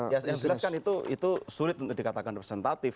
ya saya jelaskan itu sulit untuk dikatakan representatif